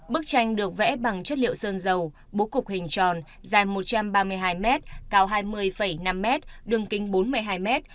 bức tranh được vẽ bằng chất liệu sơn dầu bố cục hình tròn dài một trăm ba mươi hai mét cao hai mươi năm mét đường kính bốn mươi hai m